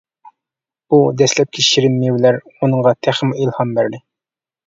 بۇ دەسلەپكى شېرىن مېۋىلەر ئۇنىڭغا تېخىمۇ ئىلھام بەردى.